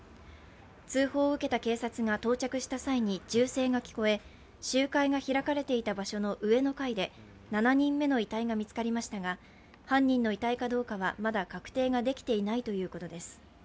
通報を受けた警察が到着した際に銃声が聞こえ、集会が開かれていた場所の上の階で７人目の遺体が見つかりましたが犯人の遺体かどうかまだ確定ができていないということです。